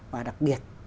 và đặc biệt